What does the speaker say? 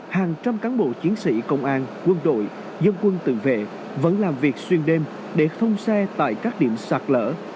hàng trăm cán bộ chiến sĩ công an quân đội dân quân tự vệ vẫn làm việc xuyên đêm để thông xe tại các điểm sạt lỡ